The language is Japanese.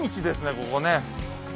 ここね。